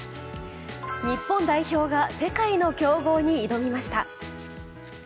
日本代表が世界の強豪に挑みました。